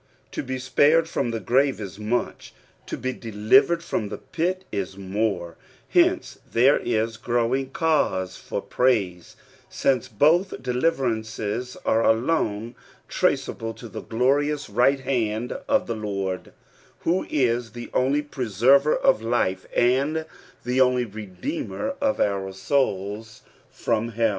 To be spared from the grave is much ; to he de livered from the pit is more; hence there is growing cause for' praise, since both deliverances are alone traceable to the glorious right hand of the Lord, who is the only preserver of life, and the only Redeemer of our souls from hell.